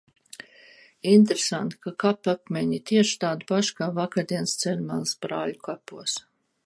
Interesanti, ka kapakmeņi ir tieši tādi paši kā vakardienas ceļmalas brāļu kapos.